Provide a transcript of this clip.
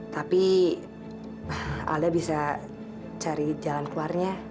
tapi alda bisa cari jalan keluarnya